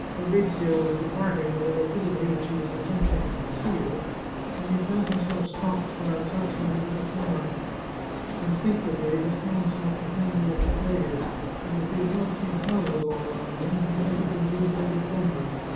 Fabrizio was departing with a rapidity which he was attempting to conceal when he felt himself stopped by a touch on his left arm. Instinctively his hand sought the handle of his dagger, and if he had not seen houses all round him he might have been guilty of a blunder.